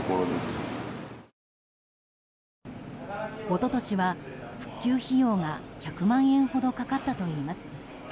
一昨年は、復旧費用が１００万円ほどかかったといいます。